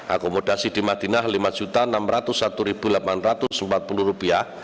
akomodasi di madinah rp lima enam ratus satu delapan ratus empat puluh rupiah